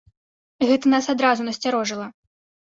Гэта нас адразу насцярожыла.